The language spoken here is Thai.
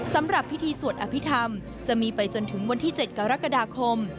สำหรับพิธีสวดอภิษฐรรมจะมีไปจนถึงวันที่๗กรกฎาคม